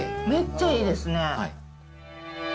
めっちゃいいですね。